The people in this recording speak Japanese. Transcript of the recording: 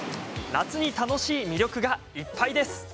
夏に楽しい魅力がいっぱいです。